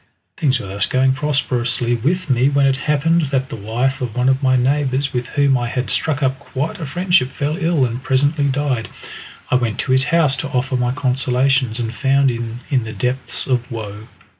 Things were thus going prosperously with me when it happened that the wife of one of my neighbours, with whom I had struck up quite a friendship, fell ill, and presently died. I went to his house to offer my consolations, and found him in the depths of woe.